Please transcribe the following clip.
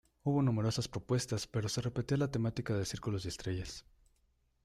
Hubo numerosas propuestas, pero se repetía la temática de círculos y estrellas.